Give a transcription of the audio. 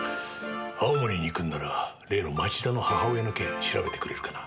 青森に行くんなら例の町田の母親の件調べてくれるかな。